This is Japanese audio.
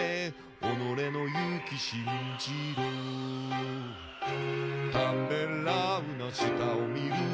「おのれの勇気信じろ」「ためらうな下を見るな」